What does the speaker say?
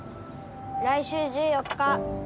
来週１４日。